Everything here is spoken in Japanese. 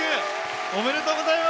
おめでとうございます。